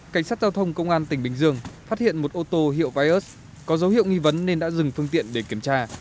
cảnh sát giao thông công an tỉnh bình dương phát hiện một ô tô hiệu vios có dấu hiệu nghi vấn nên đã dừng phương tiện để kiểm tra